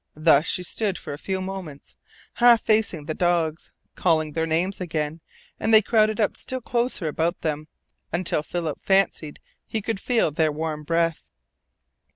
Thus she stood for a few moments, half facing the dogs, calling their names again; and they crowded up still closer about them, until Philip fancied he could feel their warm breath.